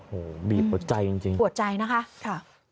โหบีบปวดใจจริงปวดใจนะคะ